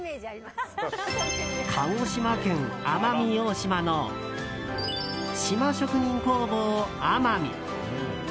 鹿児島県奄美大島の島職人工房奄美。